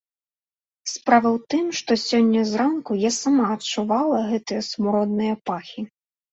Справа ў тым, што сёння зранку я сама адчувала гэтыя смуродныя пахі.